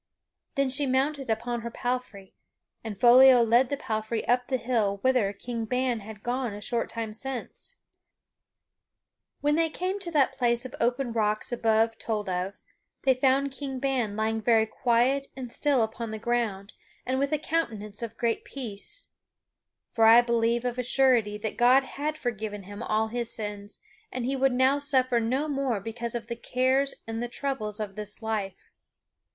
Then she mounted upon her palfrey and Foliot led the palfrey up the hill whither King Ban had gone a short time since. [Sidenote: The Lady Helen findeth the King] When they came to that place of open rocks above told of, they found King Ban lying very quiet and still upon the ground and with a countenance of great peace. For I believe of a surety that God had forgiven him all his sins, and he would now suffer no more because of the cares and the troubles of this life.